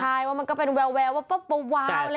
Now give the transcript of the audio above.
ใช่ว่ามันก็เป็นแววว้าวอะไรอย่างนี้